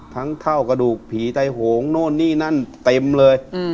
เท่ากระดูกผีไตโหงโน่นนี่นั่นเต็มเลย